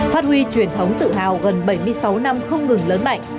phát huy truyền thống tự hào gần bảy mươi sáu năm không ngừng lớn mạnh